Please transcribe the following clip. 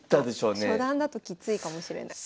初段だときついかもしれない。